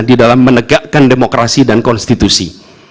di dalam menegakkan demokrasi dan konstitusi